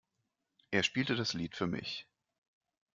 Er spielte das Lied für mich.